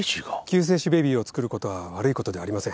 救世主ベビーをつくることは悪いことではありません。